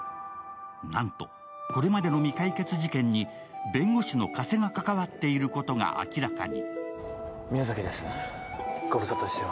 なんと、これまでの未解決事件に弁護士の加瀬が関わっていることが明らかに。